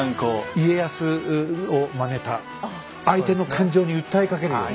家康をまねた相手の感情に訴えかけるような。